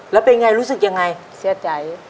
แล้วเป็นอย่างไรรู้สึกอย่างไร